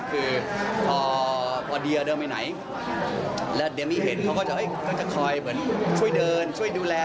คือพอเดียเดินไปไหนแล้วเดียมี่เห็นเขาก็จะคอยเหมือนช่วยเดินช่วยดูแล